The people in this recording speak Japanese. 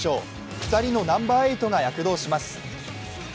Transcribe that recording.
２人のナンバー８が躍動します。